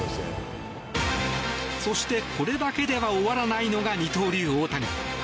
そして、これだけでは終わらないのが二刀流・大谷。